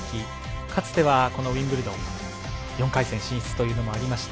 かつては、このウィンブルドン４回戦進出というのもありました。